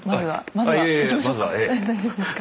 大丈夫ですか。